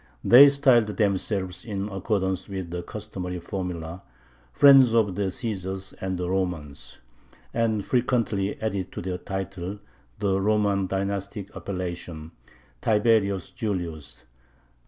They styled themselves, in accordance with the customary formula, "friends of the Caesars and the Romans," and frequently added to their title the Roman dynastic appellation "Tiberius Julius."